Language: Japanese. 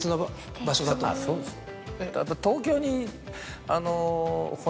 そうですよ。